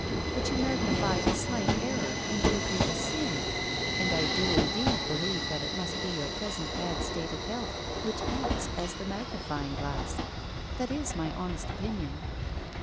But you magnify a slight error into a grievous sin ; and I do indeed believe that it must be your present bad state of health which acts as the mag nifying glass. That is my honest opinion."